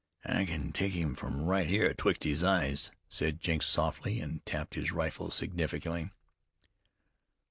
"I kin take him from right here 'atwixt his eyes," said Jenks softly, and tapped his rifle significantly.